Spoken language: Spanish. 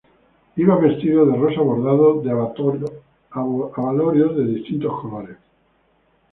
Iba vestido de rosa bordado de abalorios de distintos colores.